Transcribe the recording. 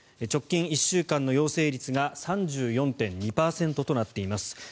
直近１週間の陽性率が３４．２％となっています。